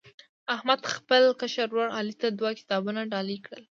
احمد خپل کشر ورر علي ته دوه کتابونه ډالۍ کړل.